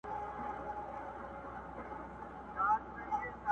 o اوبه د لويه سره خړي دي.